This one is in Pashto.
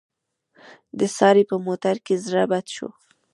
د سارې په موټر کې زړه بد شو.